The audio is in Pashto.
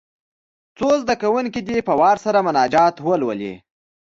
څو زده کوونکي دې په وار سره مناجات ولولي.